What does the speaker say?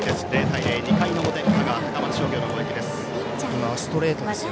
０対０、２回の表香川・高松商業の攻撃です。